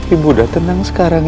ibu udah tenang sekarang